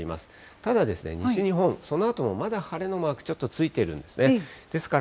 ただ、西日本、そのあともまだ晴れのマークちょっとついているんですね。